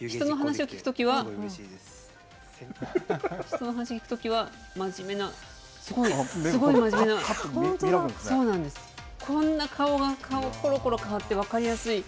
人の話を聞くときは真面目な、すごい真面目なこんな顔ころころ変わって分かりやすい。